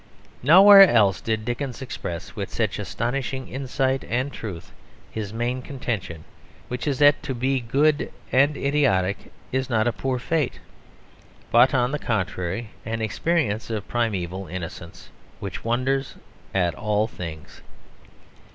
Nowhere else did Dickens express with such astonishing insight and truth his main contention, which is that to be good and idiotic is not a poor fate, but, on the contrary, an experience of primeval innocence, which wonders at all things.